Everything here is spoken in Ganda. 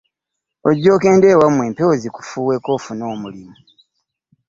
Ojje ogendeko ewamwe empewo zikufuweko ofune omulimu.